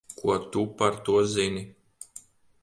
Ko tu par to zini?